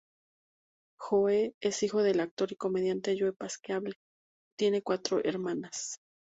Joe es hijo del actor y comediante Joe Pasquale, tiene cuatro hermanas.